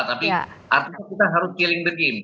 tapi artinya kita harus killing the game